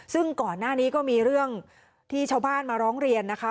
ซึ่งก่อนหน้านี้ก็มีเรื่องที่ชาวบ้านมาร้องเรียนนะคะ